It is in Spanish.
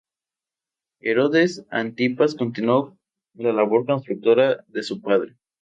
Herodes Antipas continuó la labor constructora de su padre.